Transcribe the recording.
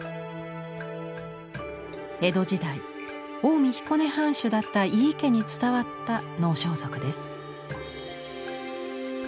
江戸時代近江彦根藩主だった井伊家に伝わった能装束です。